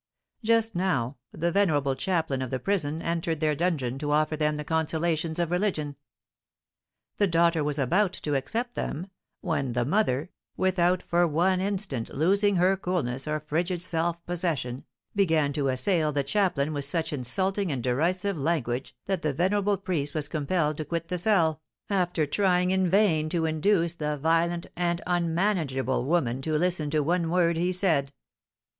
Just now the venerable chaplain of the prison entered their dungeon to offer to them the consolations of religion. The daughter was about to accept them, when the mother, without for one instant losing her coolness or frigid self possession, began to assail the chaplain with such insulting and derisive language that the venerable priest was compelled to quit the cell, after trying in vain to induce the violent and unmanageable woman to listen to one word he said.